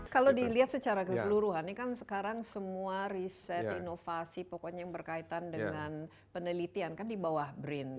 kalau dilihat secara keseluruhan ini kan sekarang semua riset inovasi pokoknya yang berkaitan dengan penelitian kan di bawah brin